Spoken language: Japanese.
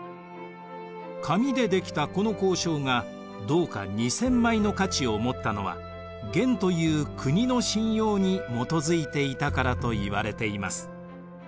紙で出来たこの交鈔が銅貨２０００枚の価値を持ったのは元という国の信用に基づいていたからといわれています。